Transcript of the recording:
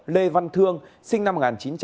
lê văn thương sinh năm một nghìn chín trăm tám mươi